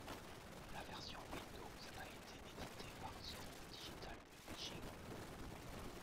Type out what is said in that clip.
La version Windows a été éditée par Zoo Digital Publishing.